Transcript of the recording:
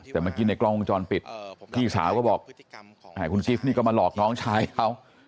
แต่เมื่อกี้ในกล้องวงจรปิดพี่สาวก็บอกคุณกิฟต์นี่ก็มาหลอกน้องชายเขา